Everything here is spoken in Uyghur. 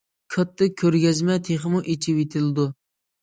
كاتتا كۆرگەزمە تېخىمۇ ئېچىۋېتىلىدۇ.